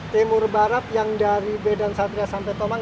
timur barat yang dari medan satria sampai tomang dua ribu tiga puluh dua